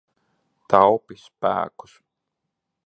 Taupi spēkus.